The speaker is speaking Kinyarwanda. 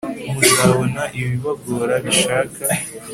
muzabona ibibagora bishaka